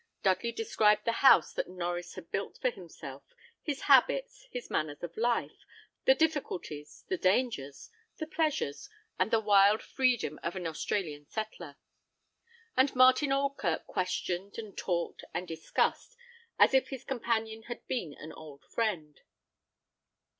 Dudley described the house that Norries had built for himself, his habits, his manners of life, the difficulties, the dangers, the pleasures, and the wild freedom of an Australian settler; and Martin Oldkirk questioned, and talked, and discussed, as if his companion had been an old friend.